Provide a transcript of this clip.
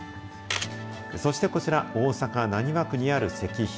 そしてこちら、大阪・浪速区にある石碑。